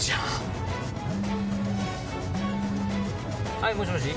はいもしもし。